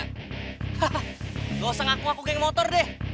hahaha gak usah ngaku ngaku geng motor deh